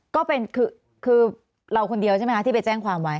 ก็เป็นคือเราคนเดียวใช่ไหมคะที่ไปแจ้งความไว้